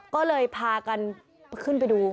ก็เลยพากันขึ้นไปดู